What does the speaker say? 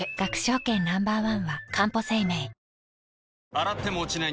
洗っても落ちない